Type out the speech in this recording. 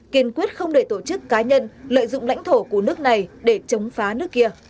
kiên quyết không để tổ chức cá nhân lợi dụng lãnh thổ của nước này để chống phá nước kia